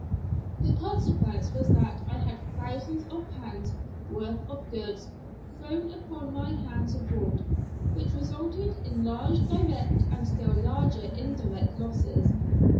The consequence was that I had thousands of pounds' worth of goods thrown upon my hands abroad, which resulted in large direct and still larger indirect losses.